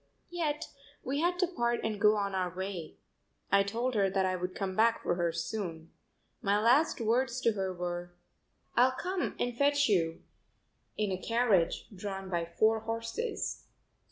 Yet we had to part and go on our way. I told her that I would come back for her soon. My last words to her were: "I'll come and fetch you in a carriage drawn by four horses."